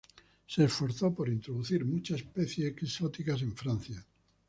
Se esforzó por introducir muchas especies exóticas en Francia.